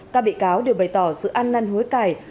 các bị cáo đều bày tỏ sự ăn năn hối cài